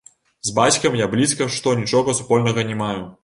З бацькам я блізка што нічога супольнага не маю.